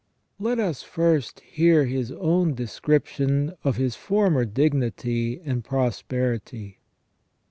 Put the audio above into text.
Let us first hear his own description of his former dignity and prosperity.